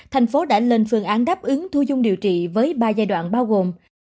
thành phố đã lên phương án đáp ứng thu dung điều trị với ba giai đoạn bao gồm